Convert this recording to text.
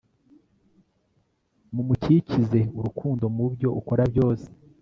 mumukikize urukundo mubyo ukora byose